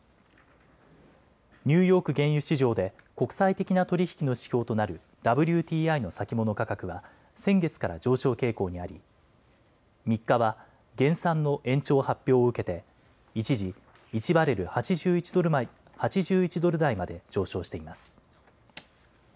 ニューヨーク原油市場で国際的な取り引きの指標となるＷＴＩの先物価格は先月から上昇傾向にあり、３日は減産の延長発表を受けて一時、１バレル８１ドル台まで上昇しています。